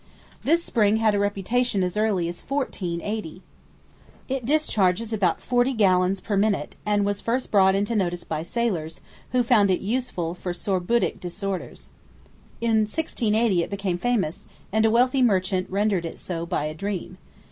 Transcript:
This spring had a reputation as early as 1480. It discharges about forty gallons per minute, and was first brought into notice by sailors, who found it useful for scorbutic disorders. In 1680 it became famous, and a wealthy merchant rendered it so by a dream.